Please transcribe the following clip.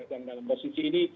dan dalam posisi ini